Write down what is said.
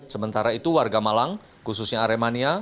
sementara itu warga malang khususnya aremania